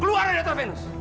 keluar dari hotel venus